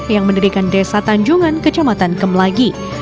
yang mendirikan desa tanjungan kecamatan kemlagi